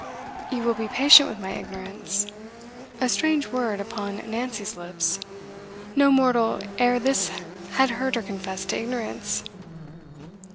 You will be patient with my ignorance?' A strange word upon Nancy's lips. No mortal ere this had heard her confess to ignorance.